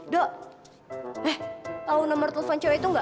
do eh tau nomer telepon cewek itu gak